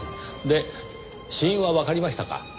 で死因はわかりましたか？